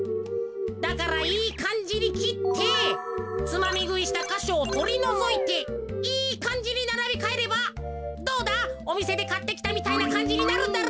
だからいいかんじにきってつまみぐいしたかしょをとりのぞいていいかんじにならびかえればどうだおみせでかってきたみたいなかんじになるだろ？